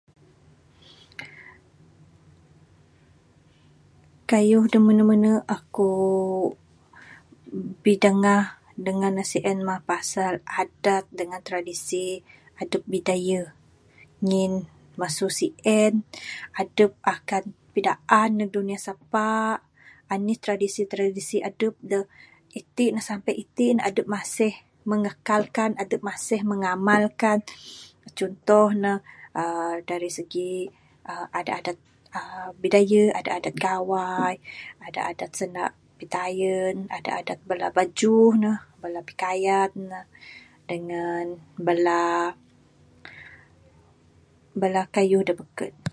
Kayuh dak menu menu akuk bidangah dengan ne sien mah pasal adat dengan tradisi adup Bidayuh. Ngin masu sien adup akan pidaan ndug dunya sapa' anih tradisi tradisi adup da itik ne sampai titk ne masih mengekalkan adup masih mengamalkan. Contoh ne, uhh dari segi uhh adat adat uhh Bidayuh, adat Gawai, adat adat sanda pitayun, adat adat bala bajuh ne, bala pikaian ne, dengan bala, bala kayuh da bekun.